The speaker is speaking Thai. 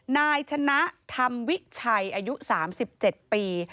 นายชนะธรรมวิชัยอายุ๓๗ปี